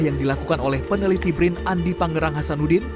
yang dilakukan oleh peneliti brin andi pangerang hasanuddin